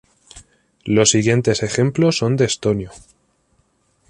Los siguientes ejemplos son de estonio.